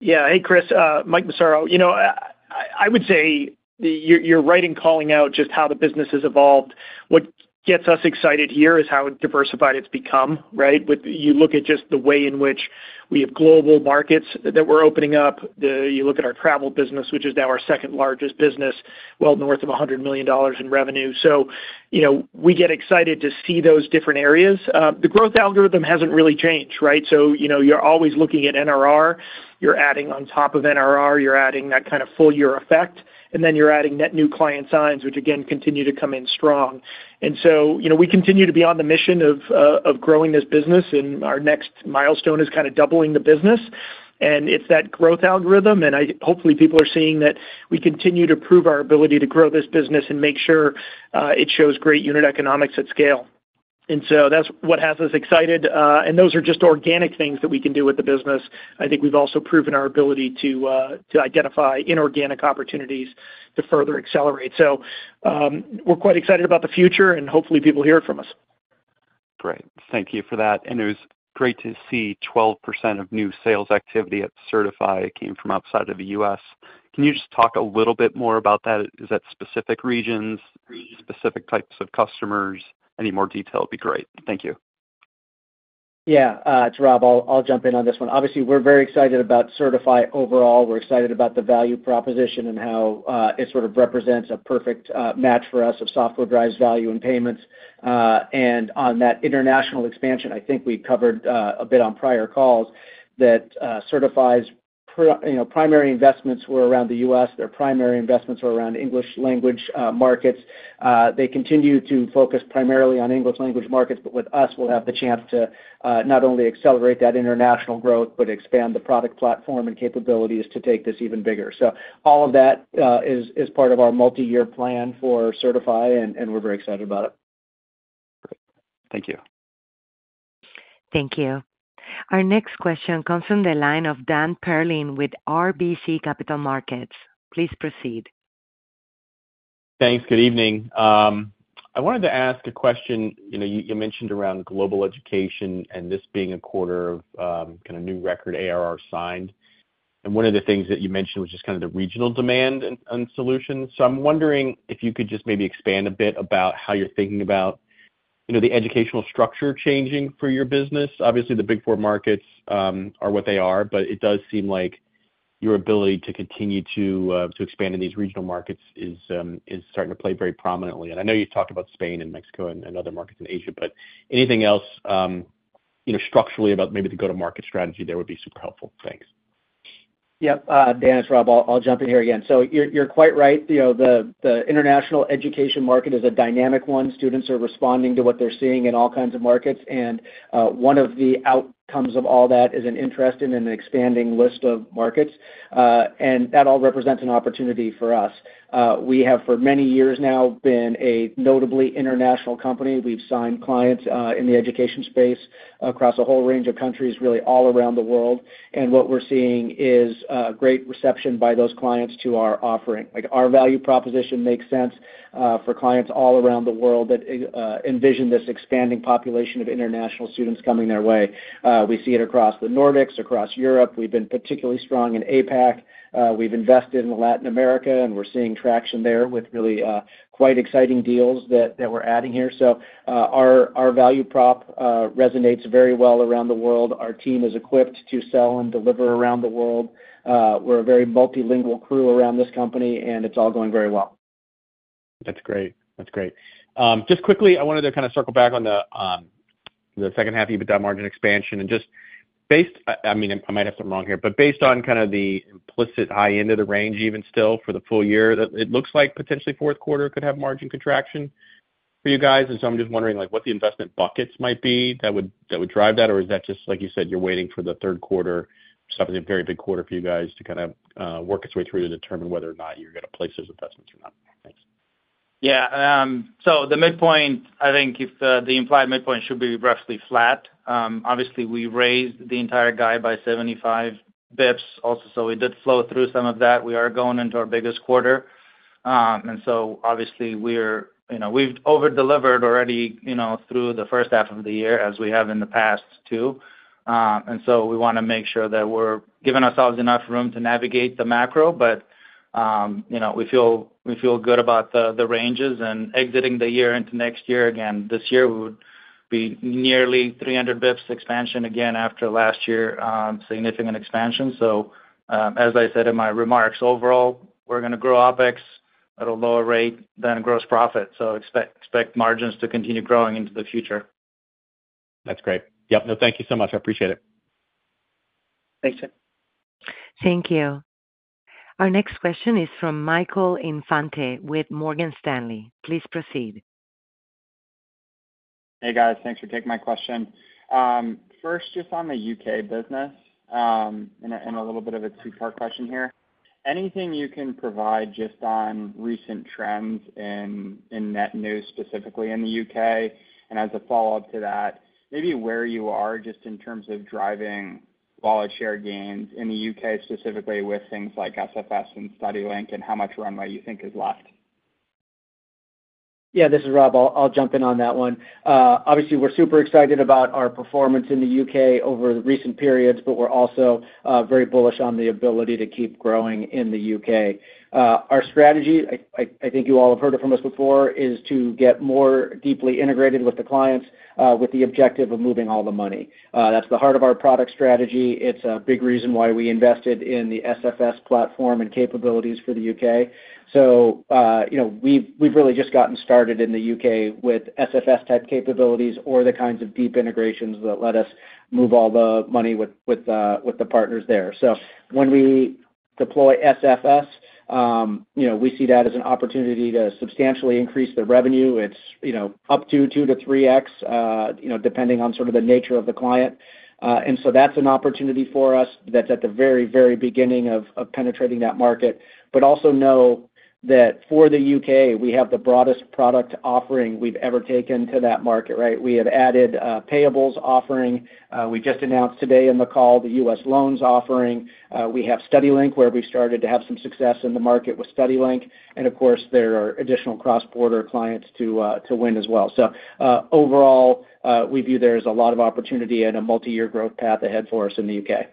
Yeah, hey Chris, Mike Massaro, you know I would say you're right in calling out just how the business has evolved. What gets us excited here is how diversified it's become, right? You look at just the way in which we have global markets that we're opening up. You look at our travel business, which is now our second largest business, well north of $100 million in revenue. We get excited to see those different areas. The growth algorithm hasn't really changed, right? You're always looking at NRR. You're adding on top of NRR. You're adding that kind of full-year effect. You're adding net new client signs, which again continue to come in strong. We continue to be on the mission of growing this business. Our next milestone is kind of doubling the business. It's that growth algorithm. Hopefully, people are seeing that we continue to prove our ability to grow this business and make sure it shows great unit economics at scale. That's what has us excited. Those are just organic things that we can do with the business. I think we've also proven our ability to identify inorganic opportunities to further accelerate. We're quite excited about the future. Hopefully, people hear it from us. Thank you for that. It was great to see 12% of new sales activity at Certify came from outside of the U.S. Can you just talk a little bit more about that? Is that specific regions, specific types of customers? Any more detail would be great. Thank you. Yeah, it's Rob. I'll jump in on this one. Obviously, we're very excited about Certify overall. We're excited about the value proposition and how it sort of represents a perfect match for us of software drives value and payments. On that international expansion, I think we covered a bit on prior calls that Certify's primary investments were around the U.S. Their primary investments were around English language markets. They continue to focus primarily on English language markets. With us, we'll have the chance to not only accelerate that international growth, but expand the product platform and capabilities to take this even bigger. All of that is part of our multi-year plan for Certify. We're very excited about it. Thank you. Thank you. Our next question comes from the line of Dan Perlin with RBC Capital Markets. Please proceed. Thanks. Good evening. I wanted to ask a question. You mentioned around global education and this being a quarter of kind of new record ARR signed. One of the things that you mentioned was just kind of the regional demand and solutions. I'm wondering if you could just maybe expand a bit about how you're thinking about the educational structure changing for your business. Obviously, the Big Four markets are what they are, but it does seem like your ability to continue to expand in these regional markets is starting to play very prominently. I know you've talked about Spain and Mexico and other markets in Asia, but anything else structurally about maybe the go-to-market strategy there would be super helpful. Thanks. Yeah, Dan, it's Rob. I'll jump in here again. You're quite right. The international education market is a dynamic one. Students are responding to what they're seeing in all kinds of markets. One of the outcomes of all that is an interest in an expanding list of markets. That all represents an opportunity for us. We have, for many years now, been a notably international company. We've signed clients in the education space across a whole range of countries, really all around the world. What we're seeing is a great reception by those clients to our offering. Our value proposition makes sense for clients all around the world that envision this expanding population of international students coming their way. We see it across the Nordics, across Europe. We've been particularly strong in APAC. We've invested in Latin America, and we're seeing traction there with really quite exciting deals that we're adding here. Our value prop resonates very well around the world. Our team is equipped to sell and deliver around the world. We're a very multilingual crew around this company, and it's all going very well. That's great. Just quickly, I wanted to kind of circle back on the second half EBITDA margin expansion. Based on kind of the implicit high end of the range even still for the full year, it looks like potentially fourth quarter could have margin contraction for you guys. I'm just wondering what the investment buckets might be that would drive that, or is that just like you said, you're waiting for the third quarter, which I think is a very big quarter for you guys to kind of work its way through to determine whether or not you're going to place those investments or not. Thanks. Yeah, so the midpoint, I think the implied midpoint should be roughly flat. Obviously, we raised the entire guide by 75 bps also, so we did flow through some of that. We are going into our biggest quarter. Obviously, we've over-delivered already through the first half of the year, as we have in the past too. We want to make sure that we're giving ourselves enough room to navigate the macro, but we feel good about the ranges and exiting the year into next year again. This year, we would be nearly 300 bps expansion again after last year, significant expansion. As I said in my remarks, overall, we're going to grow OpEx at a lower rate than gross profit, so expect margins to continue growing into the future. That's great. Thank you so much. I appreciate it. Thanks, Dan. Thank you. Our next question is from Michael Infante with Morgan Stanley. Please proceed. Hey guys, thanks for taking my question. First, just on the U.K. business and a little bit of a two-part question here. Anything you can provide just on recent trends in net new specifically in the U.K.? As a follow-up to that, maybe where you are just in terms of driving wallet share gains in the U.K. specifically with things like SFS and StudyLink and how much runway you think is left. Yeah, this is Rob. I'll jump in on that one. Obviously, we're super excited about our performance in the U.K. over the recent periods, but we're also very bullish on the ability to keep growing in the U.K. Our strategy, I think you all have heard it from us before, is to get more deeply integrated with the clients with the objective of moving all the money. That's the heart of our product strategy. It's a big reason why we invested in the SFS platform and capabilities for the U.K. We've really just gotten started in the U.K. with SFS-type capabilities or the kinds of deep integrations that let us move all the money with the partners there. When we deploy SFS, we see that as an opportunity to substantially increase the revenue. It's up to 2x-3x, depending on sort of the nature of the client. That's an opportunity for us that's at the very, very beginning of penetrating that market. For the U.K., we have the broadest product offering we've ever taken to that market, right? We have added payables offering. We just announced today in the call the US loans offering. We have StudyLink, where we've started to have some success in the market with StudyLink. Of course, there are additional cross-border clients to win as well. Overall, we view there as a lot of opportunity and a multi-year growth path ahead for us in the U.K.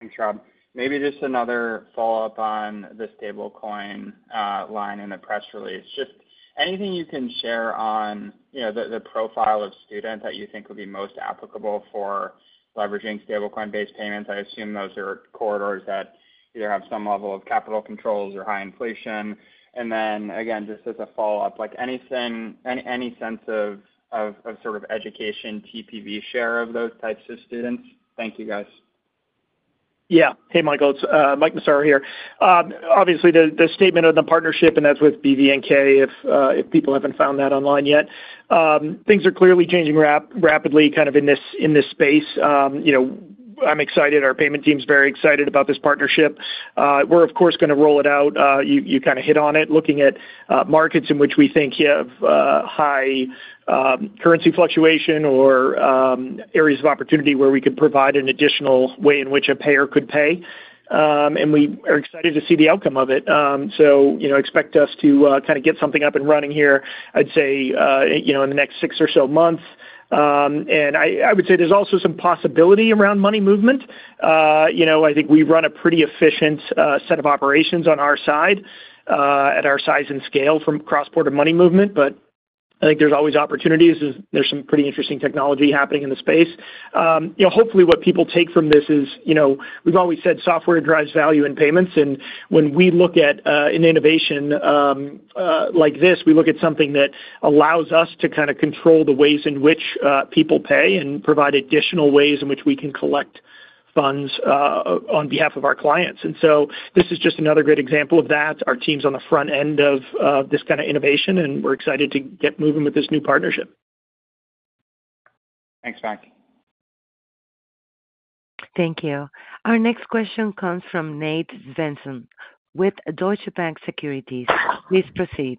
Thanks, Rob. Maybe just another follow-up on the stablecoin line in the press release. Just anything you can share on the profile of students that you think would be most applicable for leveraging stablecoin-based payments. I assume those are corridors that either have some level of capital controls or high inflation. Just as a follow-up, like anything, any sense of sort of education TPV share of those types of students? Thank you, guys. Yeah, hey Michael, it's Mike Massaro here. Obviously, the statement on the partnership, and that's with BVNK, if people haven't found that online yet, things are clearly changing rapidly in this space. I'm excited. Our payment team's very excited about this partnership. We're, of course, going to roll it out. You hit on it, looking at markets in which we think have high currency fluctuation or areas of opportunity where we could provide an additional way in which a payer could pay. We are excited to see the outcome of it. Expect us to get something up and running here, I'd say, in the next six or so months. I would say there's also some possibility around money movement. I think we run a pretty efficient set of operations on our side at our size and scale from cross-border money movement. I think there's always opportunities. There's some pretty interesting technology happening in the space. Hopefully, what people take from this is we've always said software drives value in payments. When we look at an innovation like this, we look at something that allows us to control the ways in which people pay and provide additional ways in which we can collect funds on behalf of our clients. This is just another great example of that. Our team's on the front end of this kind of innovation, and we're excited to get moving with this new partnership. Thanks, Mike. Thank you. Our next question comes from Nate Svensson with Deutsche Bank Securities. Please proceed.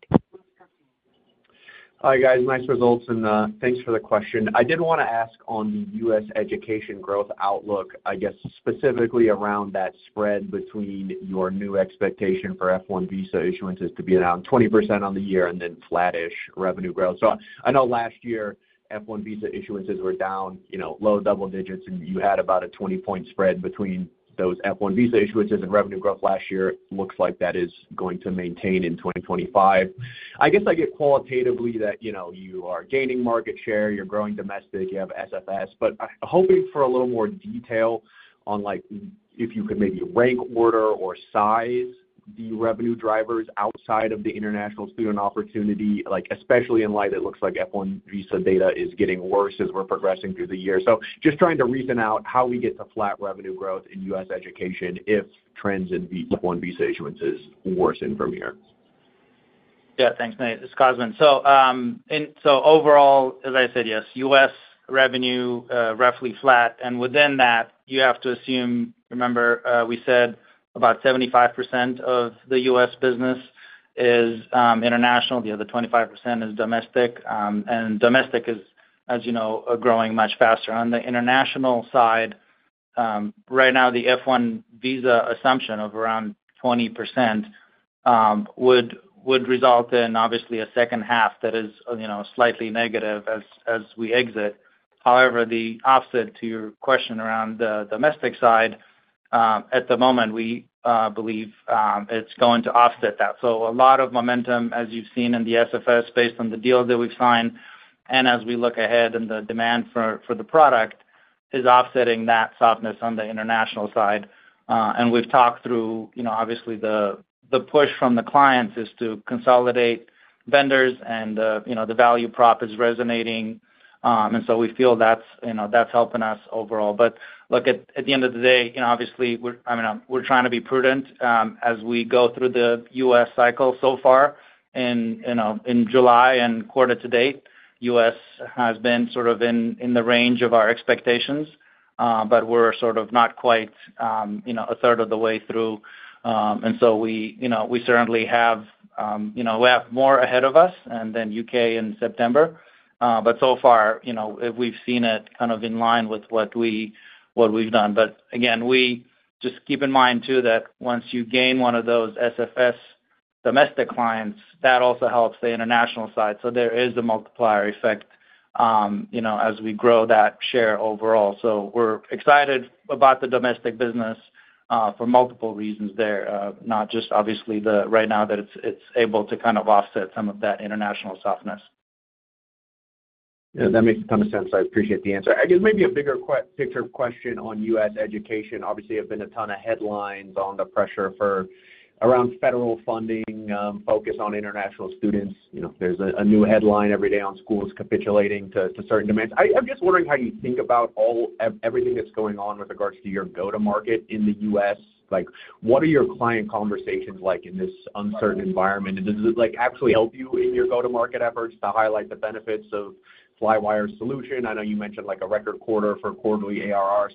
Hi guys, nice results, and thanks for the question. I did want to ask on the U.S. education growth outlook, I guess specifically around that spread between your new expectation for F1 visa issuances to be around 20% on the year and then flattish revenue growth. I know last year F1 visa issuances were down low double digits, and you had about a 20-point spread between those F1 visa issuances and revenue growth last year. It looks like that is going to maintain in 2025. I guess I give qualitatively that you are gaining market share, you're growing domestic, you have SFS, but hoping for a little more detail on if you could maybe rank order or size the revenue drivers outside of the international student opportunity, especially in light it looks like F1 visa data is getting worse as we're progressing through the year. Just trying to reason out how we get to flat revenue growth in U.S. education if trends in F1 visa issuances worsen from here. Yeah, thanks, Nate. It's Cosmin. Overall, as I said, yes, U.S. revenue roughly flat. Within that, you have to assume, remember we said about 75% of the U.S. business is international, the other 25% is domestic. Domestic is, as you know, growing much faster. On the international side, right now the F1 visa assumption of around 20% would result in obviously a second half that is slightly negative as we exit. The offset to your question around the domestic side, at the moment we believe it's going to offset that. A lot of momentum, as you've seen in the SFS platform based on the deals that we've signed and as we look ahead and the demand for the product, is offsetting that softness on the international side. We've talked through, obviously, the push from the clients is to consolidate vendors and the value prop is resonating. We feel that's helping us overall. At the end of the day, obviously, I mean, we're trying to be prudent as we go through the U.S. cycle so far. In July and quarter to date, U.S. has been sort of in the range of our expectations, but we're sort of not quite a third of the way through. We certainly have more ahead of us and then U.K. in September. So far, we've seen it kind of in line with what we've done. Again, we just keep in mind too that once you gain one of those SFS domestic clients, that also helps the international side. There is a multiplier effect as we grow that share overall. We're excited about the domestic business for multiple reasons there, not just obviously right now that it's able to kind of offset some of that international softness. Yeah, that makes a ton of sense. I appreciate the answer. I guess maybe a bigger picture question on U.S. education. Obviously, there have been a ton of headlines on the pressure for around federal funding, focus on international students. There's a new headline every day on schools capitulating to certain demands. I'm just wondering how you think about everything that's going on with regards to your go-to-market in the U.S. What are your client conversations like in this uncertain environment? Does it actually help you in your go-to-market efforts to highlight the benefits of Flywire's solution? I know you mentioned a record quarter for quarterly ARR.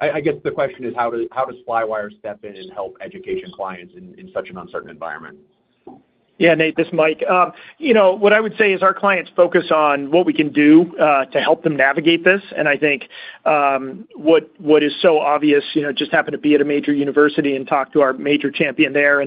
I guess the question is, how does Flywire step in and help education clients in such an uncertain environment? Yeah, Nate, this is Mike. What I would say is our clients focus on what we can do to help them navigate this. I think what is so obvious, I just happened to be at a major university and talked to our major champion there.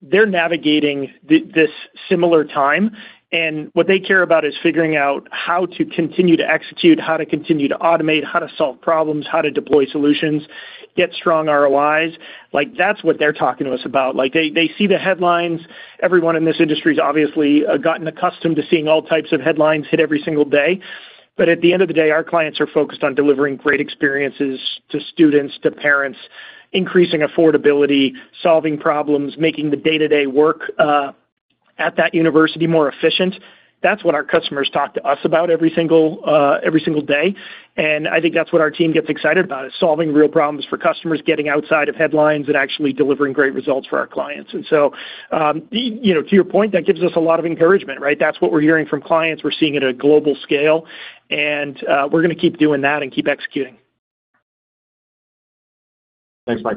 They're navigating this similar time, and what they care about is figuring out how to continue to execute, how to continue to automate, how to solve problems, how to deploy solutions, get strong ROIs. That's what they're talking to us about. They see the headlines. Everyone in this industry has obviously gotten accustomed to seeing all types of headlines hit every single day. At the end of the day, our clients are focused on delivering great experiences to students, to parents, increasing affordability, solving problems, making the day-to-day work at that university more efficient. That's what our customers talk to us about every single day. I think that's what our team gets excited about, solving real problems for customers, getting outside of headlines, and actually delivering great results for our clients. To your point, that gives us a lot of encouragement, right? That's what we're hearing from clients. We're seeing it at a global scale, and we're going to keep doing that and keep executing. Thanks, Mike.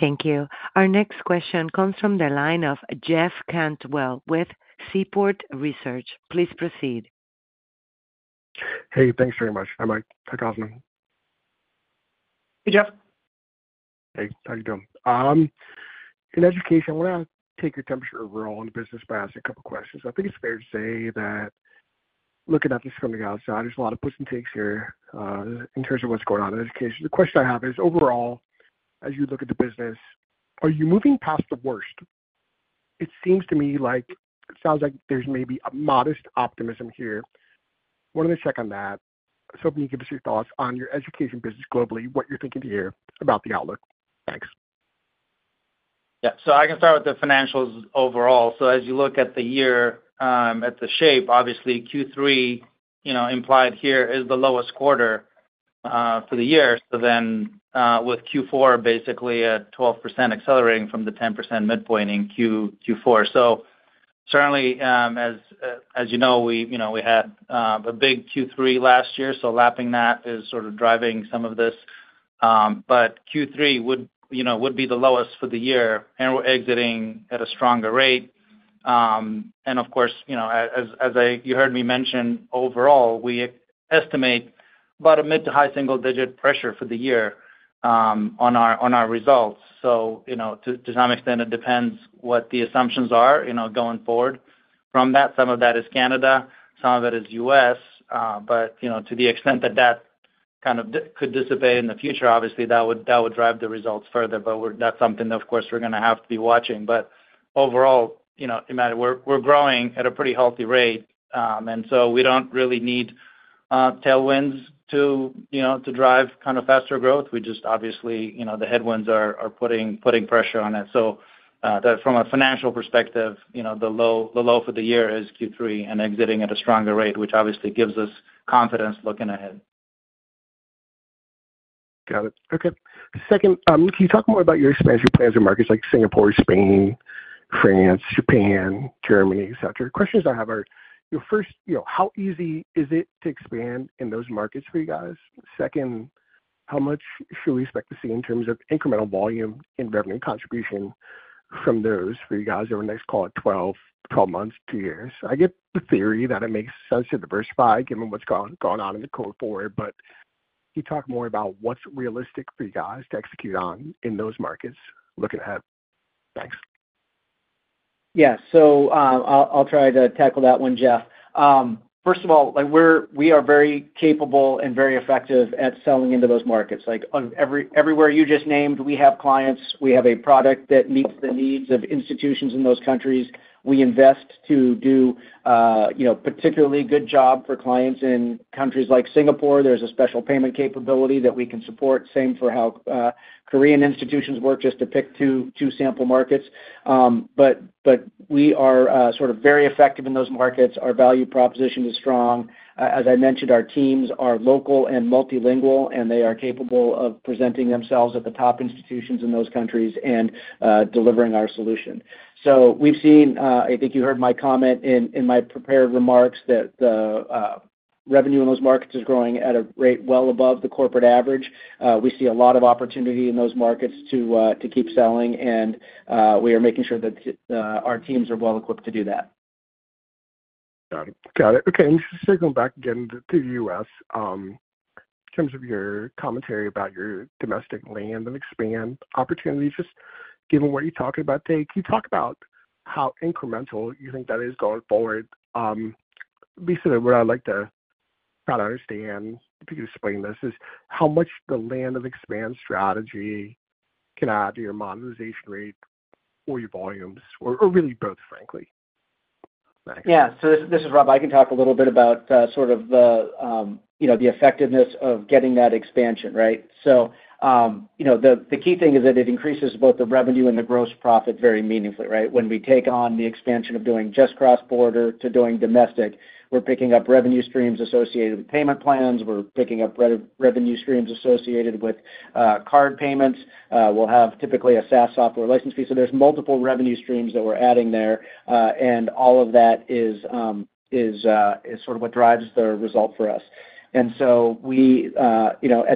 Thank you. Our next question comes from the line of Jeff Cantwell with Seaport Research. Please proceed. Hey, thanks very much. I might to Cosmin. Hey, Jeff. Hey, how are you doing? In education, I want to take your temperature overall on the business by asking a couple of questions. I think it's fair to say that looking at this from the outside, there's a lot of push and takes here in terms of what's going on in education. The question I have is, overall, as you look at the business, are you moving past the worst? It seems to me like it sounds like there's maybe a modest optimism here. I wanted to check on that. Can you give us your thoughts on your education business globally, what you're thinking here about the outlook? Thanks. Yeah, I can start with the financials overall. As you look at the year, at the shape, obviously, Q3 implied here is the lowest quarter for the year. With Q4 basically at 12% accelerating from the 10% midpoint in Q4. Certainly, as you know, we had a big Q3 last year. Lapping that is sort of driving some of this. Q3 would be the lowest for the year, and we're exiting at a stronger rate. Of course, as you heard me mention, overall, we estimate about a mid to high single-digit pressure for the year on our results. To some extent, it depends what the assumptions are going forward from that. Some of that is Canada, some of it is U.S. To the extent that that kind of could dissipate in the future, obviously, that would drive the results further. That's something that we're going to have to be watching. Overall, we're growing at a pretty healthy rate, and we don't really need tailwinds to drive kind of faster growth. Obviously, the headwinds are putting pressure on it. From a financial perspective, the low for the year is Q3 and exiting at a stronger rate, which obviously gives us confidence looking ahead. Got it. Okay. Second, can you talk more about your expansion plans in markets like Singapore, Spain, France, Japan, Germany, et cetera? Questions I have are, first, how easy is it to expand in those markets for you guys? Second, how much should we expect to see in terms of incremental volume in revenue contribution from those for you guys over the next, call it, 12 months to two years? I get the theory that it makes sense to diversify given what's going on in the quarter forward. Can you talk more about what's realistic for you guys to execute on in those markets looking ahead? Thanks. Yeah, I'll try to tackle that one, Jeff. First of all, we are very capable and very effective at selling into those markets. Everywhere you just named, we have clients. We have a product that meets the needs of institutions in those countries. We invest to do a particularly good job for clients in countries like Singapore. There's a special payment capability that we can support. Same for how Korean institutions work, just to pick two sample markets. We are very effective in those markets. Our value proposition is strong. As I mentioned, our teams are local and multilingual, and they are capable of presenting themselves at the top institutions in those countries and delivering our solution. I think you heard my comment in my prepared remarks that the revenue in those markets is growing at a rate well above the corporate average. We see a lot of opportunity in those markets to keep selling, and we are making sure that our teams are well equipped to do that. Got it. Okay. Just circling back again to the U.S., in terms of your commentary about your domestic land and expand opportunities, just given what you talked about today, can you talk about how incremental you think that is going forward? Basically, what I'd like to try to understand, if you could explain this, is how much the land and expand strategy can add to your monetization rate or your volumes, or really both, frankly. Yeah, this is Rob. I can talk a little bit about the effectiveness of getting that expansion, right? The key thing is that it increases both the revenue and the gross profit very meaningfully, right? When we take on the expansion of doing just cross-border to doing domestic, we're picking up revenue streams associated with payment plans. We're picking up revenue streams associated with card payments. We'll have typically a SaaS software license fee. There's multiple revenue streams that we're adding there. All of that is what drives the result for us. At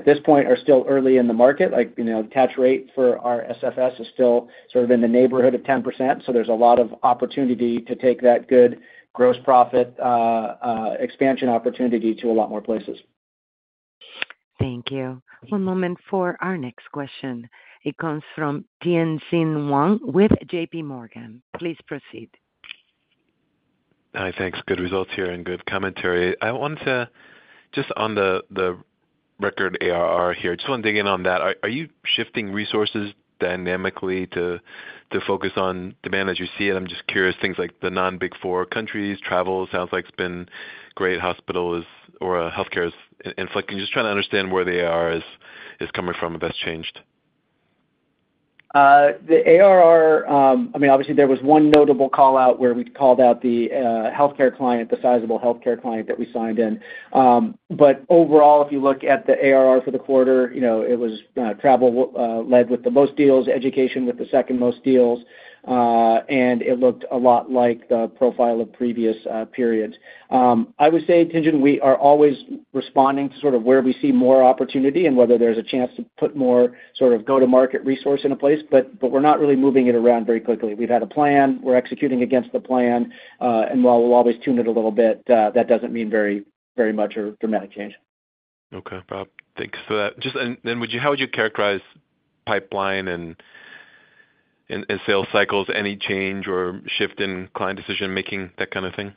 this point, we are still early in the market. The catch rate for our SFS platform is still in the neighborhood of 10%. There's a lot of opportunity to take that good gross profit expansion opportunity to a lot more places. Thank you. One moment for our next question. It comes from Tien-tsin Huang with J.P. Morgan. Please proceed. Hi, thanks. Good results here and good commentary. I wanted to just on the record ARR here, just want to dig in on that. Are you shifting resources dynamically to focus on demand as you see it? I'm just curious, things like the non-Big Four countries, travel, sounds like it's been great, hospitals or healthcare is inflecting. Just trying to understand where the ARR is coming from and best changed. The ARR, I mean, obviously, there was one notable callout where we called out the healthcare client, the sizable healthcare client that we signed in. Overall, if you look at the ARR for the quarter, it was travel led with the most deals, education with the second most deals, and it looked a lot like the profile of previous periods. I would say, Tien, we are always responding to sort of where we see more opportunity and whether there's a chance to put more sort of go-to-market resource in a place, but we're not really moving it around very quickly. We've had a plan, we're executing against the plan, and while we'll always tune it a little bit, that doesn't mean very much or dramatic change. Okay, thanks for that. Just then, how would you characterize pipeline and sales cycles? Any change or shift in client decision-making, that kind of thing?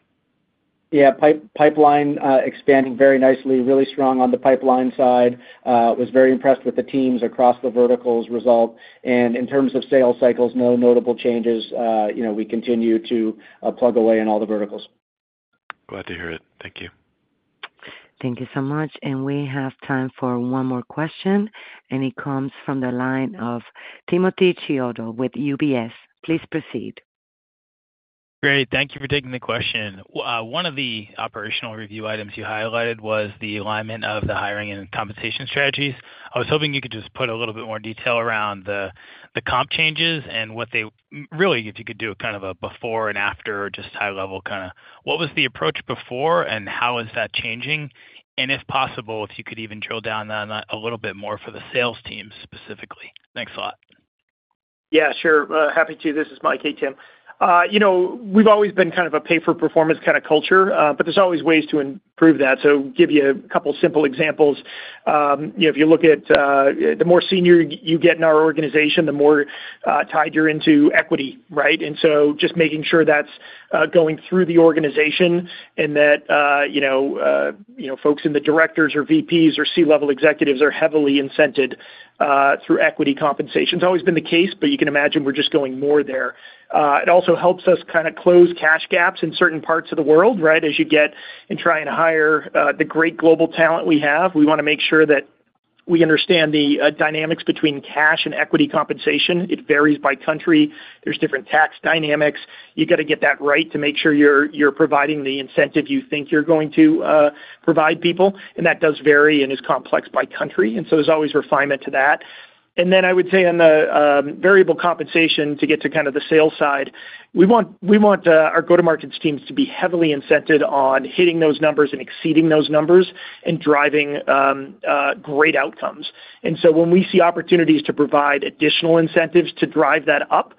Yeah, pipeline expanding very nicely, really strong on the pipeline side. I was very impressed with the teams across the verticals' result. In terms of sales cycles, no notable changes. We continue to plug away in all the verticals. Glad to hear it. Thank you. Thank you so much. We have time for one more question. It comes from the line of Timothy Chiodo with UBS. Please proceed. Great. Thank you for taking the question. One of the operational review items you highlighted was the alignment of the hiring and compensation strategies. I was hoping you could just put a little bit more detail around the comp changes and what they really, if you could do a kind of a before and after or just high-level kind of what was the approach before and how is that changing? If possible, if you could even drill down on that a little bit more for the sales teams specifically. Thanks a lot. Yeah, sure. Happy to. This is Mike. Hey, Tim. We've always been kind of a pay-for-performance kind of culture, but there's always ways to improve that. I'll give you a couple of simple examples. If you look at the more senior you get in our organization, the more tied you're into equity, right? Just making sure that's going through the organization and that folks in the Directors or VPs or C-level executives are heavily incented through equity compensation. It's always been the case, but you can imagine we're just going more there. It also helps us kind of close cash gaps in certain parts of the world, right? As you get and try and hire the great global talent we have, we want to make sure that we understand the dynamics between cash and equity compensation. It varies by country. There's different tax dynamics. You've got to get that right to make sure you're providing the incentive you think you're going to provide people. That does vary and is complex by country, and so there's always refinement to that. I would say on the variable compensation to get to kind of the sales side, we want our go-to-market teams to be heavily incented on hitting those numbers and exceeding those numbers and driving great outcomes. When we see opportunities to provide additional incentives to drive that up,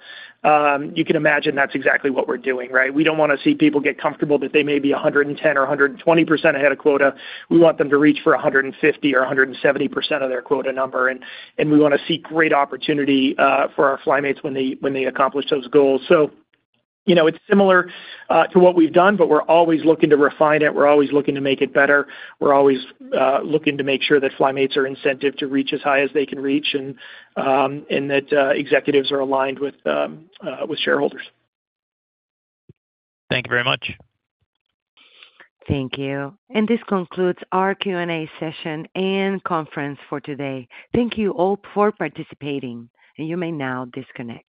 you can imagine that's exactly what we're doing, right? We don't want to see people get comfortable that they may be 110% or 120% ahead of quota. We want them to reach for 150% or 170% of their quota number. We want to see great opportunity for our Flymates when they accomplish those goals. It's similar to what we've done, but we're always looking to refine it. We're always looking to make it better. We're always looking to make sure that Flymates are incented to reach as high as they can reach and that executives are aligned with shareholders. Thank you very much. Thank you. This concludes our Q&A session and conference for today. Thank you all for participating. You may now disconnect.